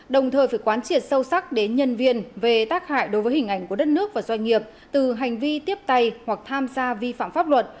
đồng thời phải quán triệt sâu sắc đến nhân viên về tác hại đối với hình ảnh của đất nước và doanh nghiệp từ hành vi tiếp tay hoặc tham gia vi phạm pháp luật